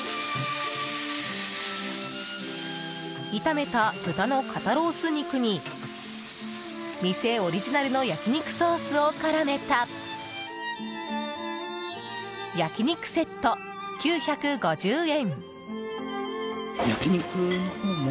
炒めた豚の肩ロース肉に店オリジナルの焼き肉ソースを絡めた焼肉セット、９５０円。